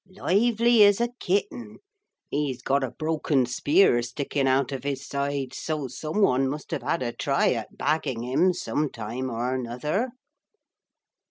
Lively as a kitten. He's got a broken spear sticking out of his side, so some one must have had a try at baggin' him, some time or another.'